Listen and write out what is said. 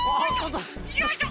よいしょ！